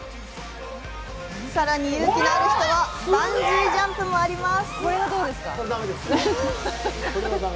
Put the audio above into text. さらに勇気のある人はバンジージャンプもあります。